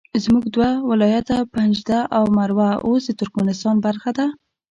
زموږ دوه ولایته پنجده او مروه اوس د ترکمنستان برخه ده